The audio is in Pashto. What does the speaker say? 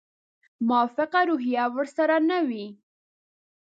موافقه روحیه ورسره نه وي.